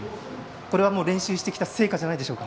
練習してきた成果じゃないでしょうか。